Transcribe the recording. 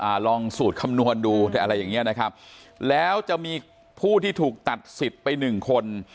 ลองสูตรคำนวณดูอะไรอย่างเงี้ยนะครับแล้วจะมีผู้ที่ถูกตัดสิทธิ์ไปหนึ่งคน